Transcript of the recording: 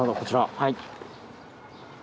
はい。